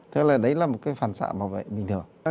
tức là đấy là một cái phản xạ bảo vệ bình thường